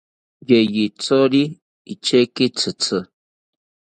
Yeyithori icheki tzitzi